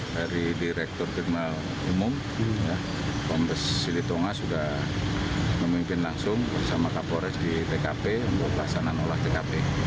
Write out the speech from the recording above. dari direktur jurnal umum kompes silitonga sudah memimpin langsung bersama kapolres di pkp untuk pelaksanaan olahraga